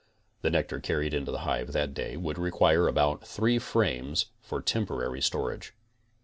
The nectar carried into the hive that day would re quire about three frames for temporary storage.